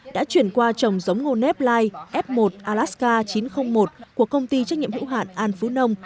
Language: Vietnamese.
đã chuyển qua trồng giống ngô nep lai f một alaska chín trăm linh một của công ty trách nhiệm hữu hạn an phú nông